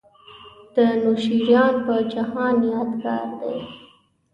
د نوشیروان په جهان یادګار دی.